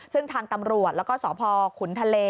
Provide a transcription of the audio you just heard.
ซึ่งทางตำรวจแล้วก็สพขุนทะเล